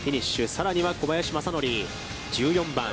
さらには小林正則、１４番。